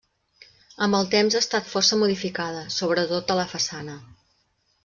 Amb el temps ha estat força modificada, sobretot a la façana.